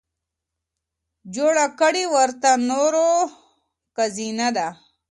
جوړه کړې ورته نورو که زينه ده